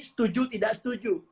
setuju tidak setuju